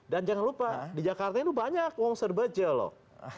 dan jangan lupa di jakarta itu banyak uang serbajel loh